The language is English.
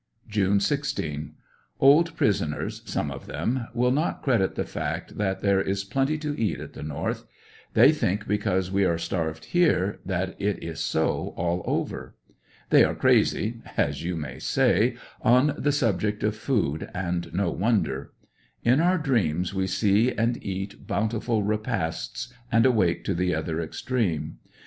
June 16. — Old prisoners (some of them) will not credit the fact that there is plenty to eat at the North They think because we are starved here, that it is so all over. They are crazy (as you may say) 68 ANDERSONVILLE DIABY. on the subject of food, and no wonder. In our dreams we see and eat bountiful repasts, and awake to the other extreme.